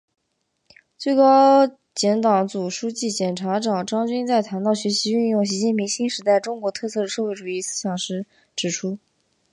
最高检党组书记、检察长张军在谈到学习运用习近平新时代中国特色社会主义思想时指出